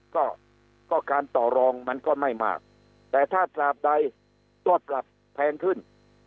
ก็ก็การต่อรองมันก็ไม่มากแต่ถ้าตราบใดโทษปรับแพงขึ้น